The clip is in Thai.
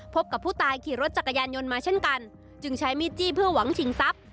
กับผู้ตายขี่รถจักรยานยนต์มาเช่นกันจึงใช้มีดจี้เพื่อหวังชิงทรัพย์